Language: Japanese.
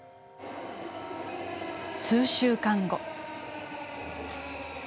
数週間後。